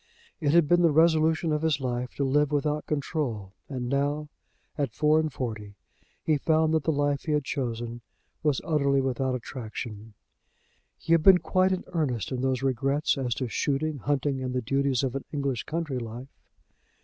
It had been the resolution of his life to live without control, and now, at four and forty, he found that the life he had chosen was utterly without attraction. He had been quite in earnest in those regrets as to shooting, hunting, and the duties of an English country life.